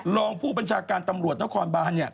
รองผู้บัญชาการตำรวจนครบานเนี่ย